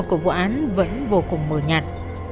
của vụ án vẫn vô cùng mờ nhạt